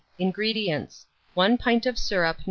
INGREDIENTS. 1 pint of syrup No.